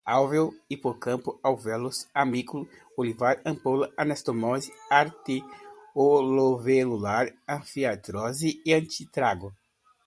álveo, hipocampo, alvéolos, amículo olivar, ampola, anastomose arteríolovenular, anfiartrose, antitrago, antélice, lacrimal